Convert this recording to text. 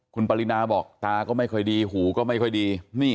คุณปรินาบอกตาก็ไม่ค่อยดีหูก็ไม่ค่อยดี